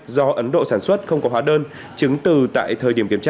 do ấn độ sản xuất không có hóa đơn chứng từ tại thời điểm kiểm tra